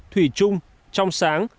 thủy chung trong sáng